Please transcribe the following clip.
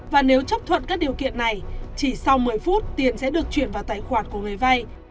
và nếu chấp thuận các điều kiện này chỉ sau một mươi phút tiền sẽ được chuyển vào tài khoản của người vay